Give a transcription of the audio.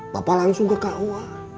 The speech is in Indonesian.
bapak langsung ke kua